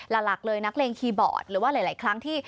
หลักเลยนักเลงคีย์บอร์ดหรือว่าหลายครั้งที่